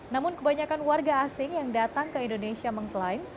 namun kebanyakan warga asing yang datang ke indonesia mengklaim